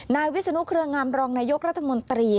นายวิศนุเครืองามรองนายกรัฐมนตรี